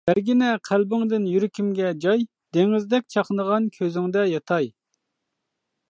بەرگىنە قەلبىڭدىن يۈرىكىمگە جاي، دېڭىزدەك چاقنىغان كۆزۈڭدە ياتاي!